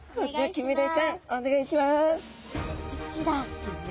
キンメダイちゃん！お願いします。